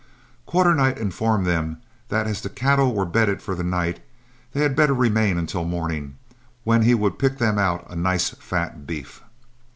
Quarternight informed them that as the cattle were bedded for the night, they had better remain until morning, when he would pick them out a nice fat beef.